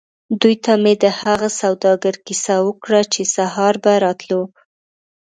دوی ته مې د هغه سوداګر کیسه وکړه چې سهار به راتلو.